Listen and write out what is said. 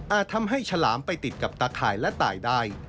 ทำให้ฉลามไปติดกับตาข่ายและตายได้